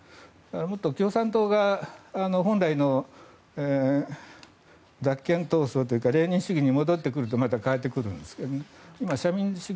もっと共産党が本来の脱権闘争というかレーニン主義に戻ってくるとまた変わってくるんですが。